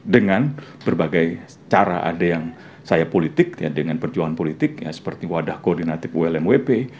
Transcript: dengan berbagai cara ada yang saya politik dengan perjuangan politik seperti wadah koordinatif ulmwp